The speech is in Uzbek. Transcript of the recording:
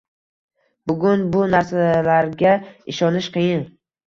Bugun bu narsalarga ishonish qiyin